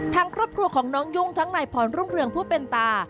ทั้งครอบครัวของน้องยุ่งทั้งนายพรรุ่งเรืองผู้เป็นตา